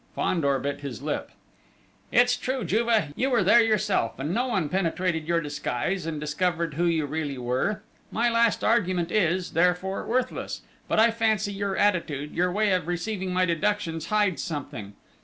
Fandor bit his lip. "It's true, Juve! You were there yourself, and no one penetrated your disguise, and discovered who you really were! My last argument is, therefore, worthless ... but I fancy your attitude, your way of receiving my deductions, hides something.